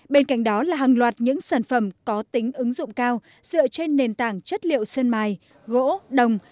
bên cạnh đó là hàng loạt những sản phẩm có tính ứng dụng cao dựa trên nền tảng chất liệu sơn mài gỗ đồng